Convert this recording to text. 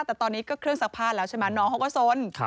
แต่ตอนนี้ก็เครื่องซักผ้าแล้วใช่ไหมน้องเขาก็สน